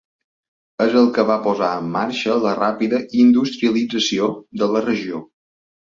És el que va posar en marxa la ràpida industrialització de la regió.